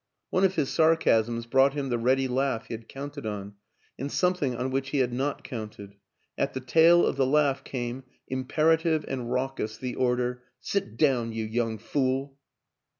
One of his sarcasms brought him the ready laugh he had counted on and something on which he had not counted; at the tail of the laugh came, imperative and raucous, the order, " Sit down, you young fool!